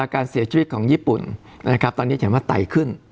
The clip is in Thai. การเสียชีวิตของญี่ปุ่นตัดขาดขึ้น